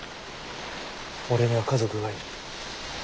俺には家族がいる。